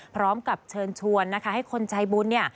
พร้อมกับเชิญชวนให้คนใจบุญ